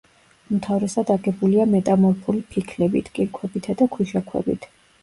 უმთავრესად აგებულია მეტამორფული ფიქლებით, კირქვებითა და ქვიშაქვებით.